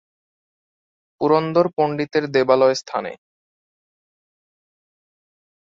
পুরন্দর পণ্ডিতের দেবালয় স্থানে।।